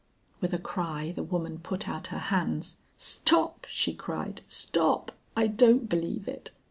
With a cry the woman put out her hands. "Stop!" she cried, "stop! I don't believe it.